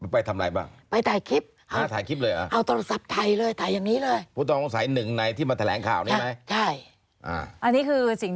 ไปทำไรบ้าง